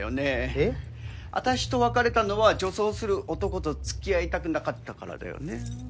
えっ？あたしと別れたのは女装する男と付き合いたくなかったからだよね？